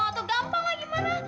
atau gampang lah gimana